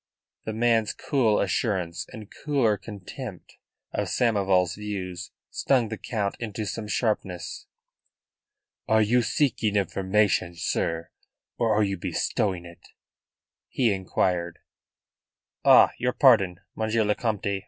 The man's cool assurance and cooler contempt of Samoval's views stung the Count into some sharpness. "Are you seeking information, sir, or are you bestowing it?" he inquired. "Ah! Your pardon, Monsieur le Comte.